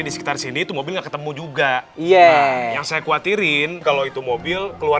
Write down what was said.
di sekitar sini itu mobil nggak ketemu juga iya yang saya khawatirin kalau itu mobil keluar